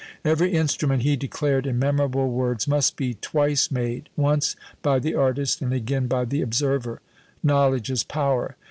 Every instrument, he declared in memorable words, must be twice made once by the artist, and again by the observer. Knowledge is power.